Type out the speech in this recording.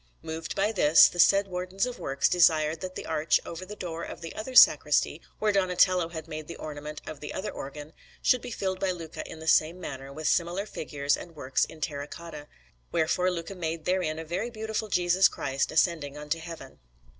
Moved by this, the said Wardens of Works desired that the arch over the door of the other sacristy, where Donatello had made the ornament of the other organ, should be filled by Luca in the same manner with similar figures and works in terra cotta; wherefore Luca made therein a very beautiful Jesus Christ ascending into Heaven.